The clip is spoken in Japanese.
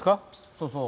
そうそう。